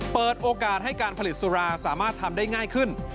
เปิดโอกาสให้การผลิตสุราสามารถทำได้ง่ายขึ้น